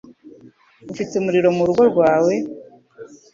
Ufite umuriro mu rugo rwawe?